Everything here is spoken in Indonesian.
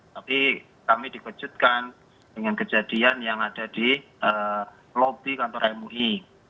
tapi kami dikejutkan dengan kejadian yang ada di lobi kantor mui